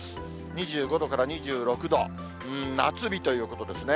２５度から２６度、うーん、夏日ということですね。